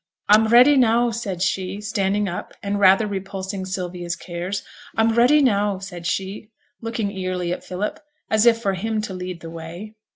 'I'm ready now,' said she, standing up, and rather repulsing Sylvia's cares; 'I'm ready now,' said she, looking eagerly at Philip, as if for him to lead the way.